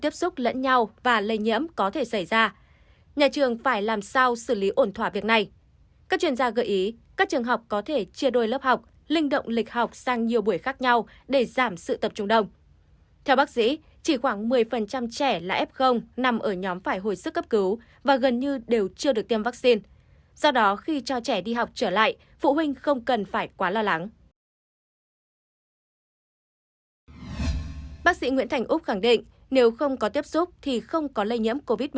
bác sĩ nguyễn thành úc khẳng định nếu không có tiếp xúc thì không có lây nhiễm covid một mươi chín